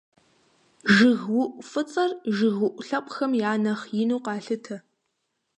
ЖыгыуӀу фӀыцӀэр, жыгыуӀу лъэпкъхэм я нэхъ ину къалъытэ.